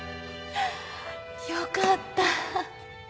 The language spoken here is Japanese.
よかった。